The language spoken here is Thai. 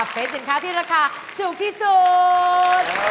เป็นสินค้าที่ราคาถูกที่สุด